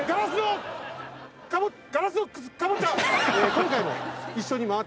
今回も。